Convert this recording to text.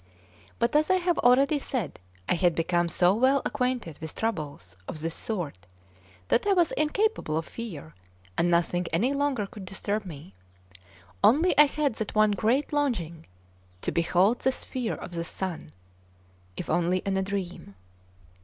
But, as I have already said, I had become so well acquainted with troubles of this sort that I was incapable of fear, and nothing any longer could disturb me; only I had that one great longing to behold the sphere of the sun, if only in a dream.